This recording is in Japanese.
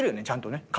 ちゃんとね。